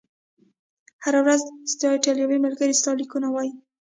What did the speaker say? هره ورځ، ستا ایټالوي ملګري ستا لیکونه وایي؟